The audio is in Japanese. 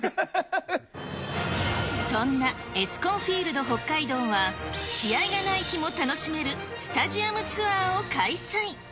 そんなエスコンフィールドホッカイドウは、試合がない日も楽しめるスタジアムツアーを開催。